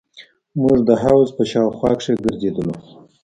موږ د حوض په شاوخوا کښې ګرځېدلو.